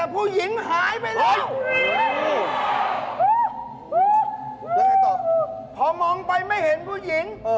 พอมองไปไม่เห็นผู้หญิง